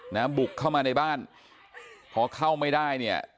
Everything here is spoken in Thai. บุกเข้ามาในบ้านพอเข้าไม่ได้เนี่ย